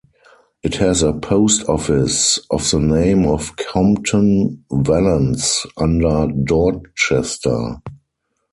It has a post office, of the name of Compton-Vallence, under Dorchester.